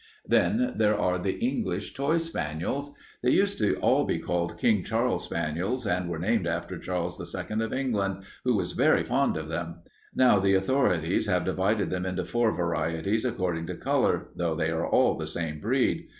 "Then there are the English toy spaniels. They used to be all called King Charles spaniels and were named after Charles II of England, who was very fond of them. Now the authorities have divided them into four varieties according to color, though they are all the same breed.